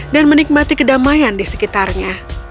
dan menikmati kedamaian di sekitarnya